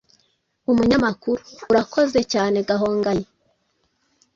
Umunyamakuru: Urakoze cyane Gahongayi!